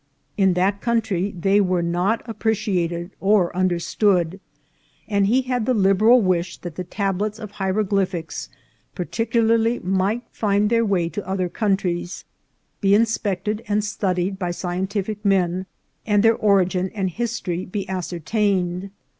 In that country they were not appreciated or un derstood, and he had the liberal wish that the tablets of hieroglyphics particularly might find their way to other countries, be inspected and studied by scientific men, and their origin and history be ascertained.